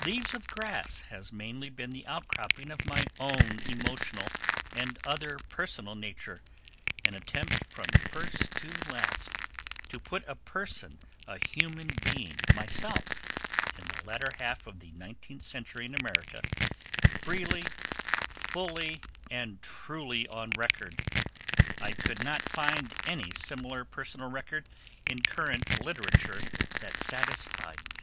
'Leaves of Grass ... has mainly been the outcropping of my own emotional and other personal nature an attempt, from first to last, to put a Person, a human being (myself, in the latter half of the Nineteenth Century in America,) freely, fully and truly on record. I could not find any similar personal record in current literature that satisfied me.'